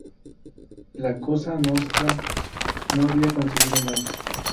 La Cosa Nostra no había conseguido nada.